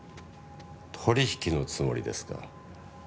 取引のつもりですか？